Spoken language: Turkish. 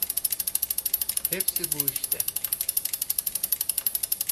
Hepsi bu işte.